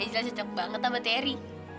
angel lah cocok banget sama teri